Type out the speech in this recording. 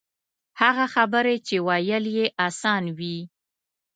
هغه خبرې چې ویل یې آسان وي.